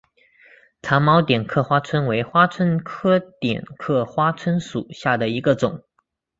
长毛点刻花蝽为花蝽科点刻花椿属下的一个种。